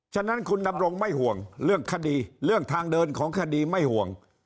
ฉะนั้นคุณดำรงไม่ห่วงเรื่องคดีเรื่องทางเดินของคดีไม่ห่วง